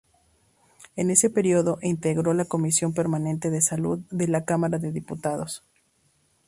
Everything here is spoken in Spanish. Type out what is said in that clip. En ese período integró la Comisión Permanente de Salud de la Cámara de Diputados.